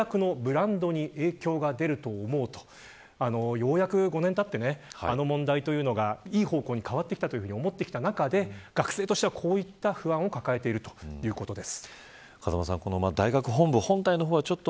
ようやく５年たってあの問題というのがいい方向に変わってきたと思っていた中で学生としては、こういう不安を抱えているということです。